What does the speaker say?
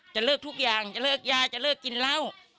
เลิกทุกอย่างจะเลิกยาจะเลิกกินเหล้า